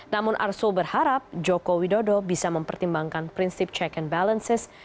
namun arsul berharap joko widodo bisa mempertimbangkan prinsip check and balances